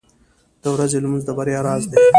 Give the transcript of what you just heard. • د ورځې لمونځ د بریا راز دی.